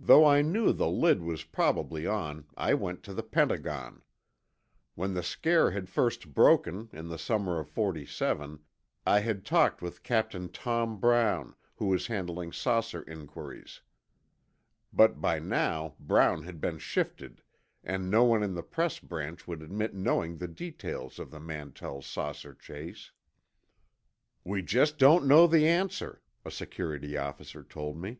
Though I knew the lid was probably on, I went to the Pentagon. When the scare had first broken, in the summer of '47, I had talked with Captain Tom Brown, who was handling saucer inquiries. But by now Brown had been shifted, and no one in the Press Branch would admit knowing the details of the Mantell saucer chase. "We just don't know the answer," a security officer told me.